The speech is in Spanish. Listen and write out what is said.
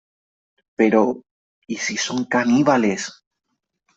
Pero ...¿ y si son caníbales ?.